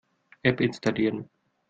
App installieren.